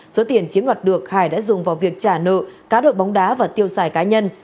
số tiền chiếm đoạt được hải đã dùng vào việc trả nợ cá đội bóng đá và tiêu xài cá nhân